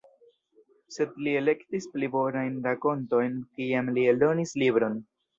Sed li elektis pli bonajn rakontojn kiam li eldonis libron.